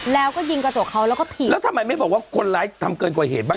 แล้วก็ยิงกระจกเขาแล้วก็ถีบแล้วทำไมไม่บอกว่าคนร้ายทำเกินกว่าเหตุบ้าง